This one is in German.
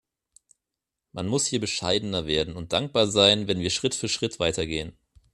Man muss hier bescheidener werden und dankbar sein, wenn wir Schritt für Schritt weitergehen.